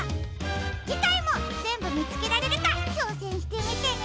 じかいもぜんぶみつけられるかちょうせんしてみてね！